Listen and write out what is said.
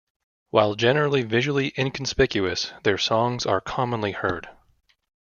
While generally visually inconspicuous, their songs are commonly heard.